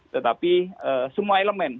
tetapi semua elemen